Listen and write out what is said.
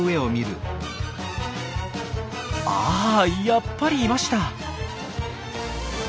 あやっぱりいました。